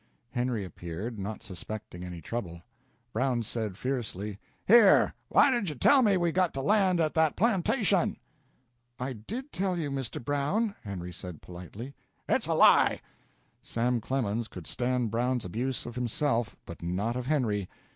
Henry appeared, not suspecting any trouble. Brown said, fiercely, "Here, why didn't you tell me we had got to land at that plantation?" "I did tell you, Mr. Brown," Henry said, politely. "It's a lie!" Sam Clemens could stand Brown's abuse of himself, but not of Henry.